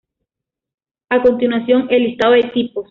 A continuación, el listado de tipos.